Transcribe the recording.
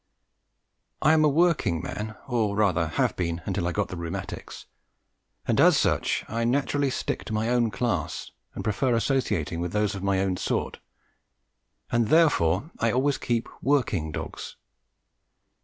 I am a working man, or rather have been till I got the rheumatics, and as such I naturally stick to my own class and prefer associating with those of my own sort, and therefore I always keep working dogs.